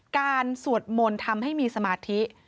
สวดมนต์ทำให้มีสมาธิ